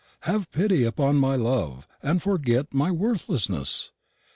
Have pity upon my love and forget my worthlessness!"